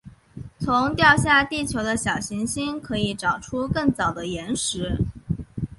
从掉下地球的小行星可以找出更早的岩石。